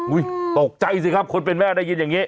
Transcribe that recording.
ตกใจสิครับคนเป็นแม่ได้ยินอย่างนี้